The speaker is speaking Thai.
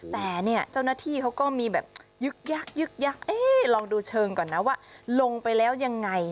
แต่เนี่ยเจ้าหน้าที่เขาก็มีแบบยึกยักยึกยักเอ๊ะลองดูเชิงก่อนนะว่าลงไปแล้วยังไง